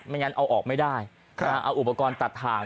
งั้นเอาออกไม่ได้เอาอุปกรณ์ตัดทาง